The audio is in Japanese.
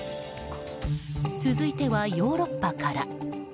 続いては、ヨーロッパから。